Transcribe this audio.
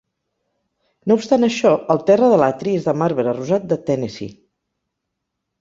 No obstant això, el terra de l'atri és de marbre rosat de Tennessee.